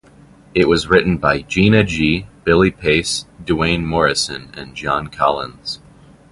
It was written by Gina G, Billy Pace, Duane Morrison, and John Collins.